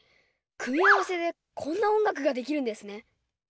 組み合わせでこんな音楽ができるんですね。